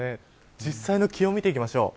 実際の気温を見ていきましょう。